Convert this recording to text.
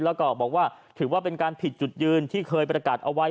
แล้วก็บอกว่าถือว่าเป็นการผิดจุดยืนที่เคยประกาศเอาไว้